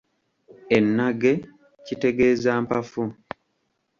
Ennage kitegeeza Mpafu.